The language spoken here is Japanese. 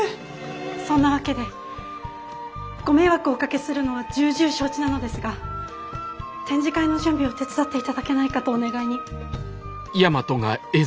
そんなわけでご迷惑をおかけするのは重々承知なのですが展示会の準備を手伝って頂けないかとお願いに。